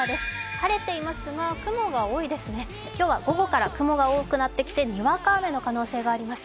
晴れていますが、雲が多いですね今日は午後から雲が多くなってきてにわか雨の可能性があります。